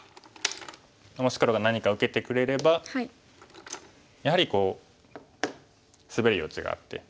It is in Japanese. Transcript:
もし黒が何か受けてくれればやはりこうスベる余地があって。